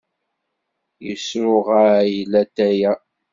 Yesruɣay latay-a.